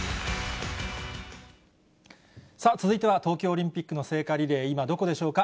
続いては東京オリンピックの聖火リレー、今どこでしょうか。